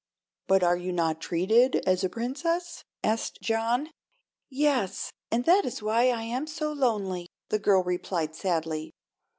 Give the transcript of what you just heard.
"But are you not treated as a Princess?" asked John. "Yes; and that is why I am so lonely," the girl replied, sadly.